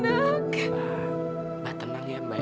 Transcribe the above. untuk mbak tenang ya mbak